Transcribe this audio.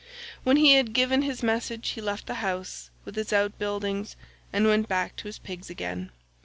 When he had given his message he left the house with its outbuildings and went back to his pigs again.